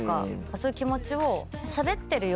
そういう気持ちを。